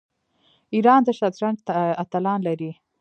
ایران د شطرنج اتلان لري.